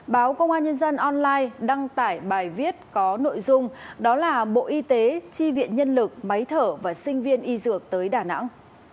báo công an nhân dân online đăng tải bài viết có nội dung đó là bộ y tế chi viện nhân lực máy thở và sinh viên y dược tới đà nẵng